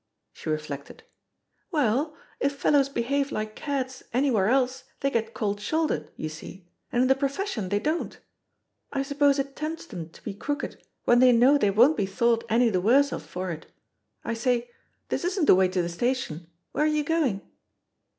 She reflected. "Well, if fellows behave like cads anywhere else they get cold shouldered, you see, and in the profession they don't. I suppose it tempts them to be crooked, when they know they won't be thought any the worse of for it. I say, this isn't the way to the station — ^where are you going?"